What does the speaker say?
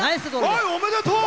おめでとう！